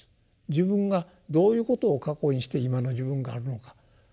自分がどういうことを過去にして今の自分があるのか。